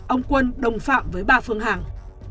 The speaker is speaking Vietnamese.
ông quân đồng phạm với bà phương hằng